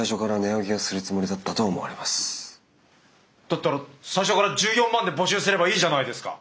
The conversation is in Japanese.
だったら最初から１４万で募集すればいいじゃないですか。